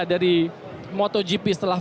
dari motogp setelah